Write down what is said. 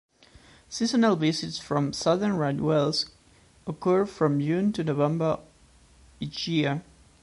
Seasonal visits from Southern Right Whales occur from June to November each year.